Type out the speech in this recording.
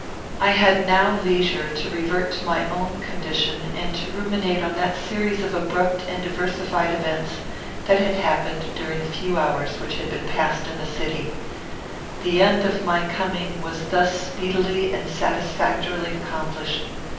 I had now leisure to revert to my own condition, and to ruminate on that series of abrupt and diversified events that had happened during the few hours which had been passed in the city: the end of my coming was thus speedily and satisfactorily accomplished.